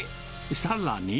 さらに。